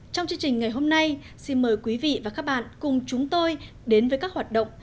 trong chương trình ngày hôm nay xin mời quý vị và các bạn cùng chúng tôi đến với các hoạt động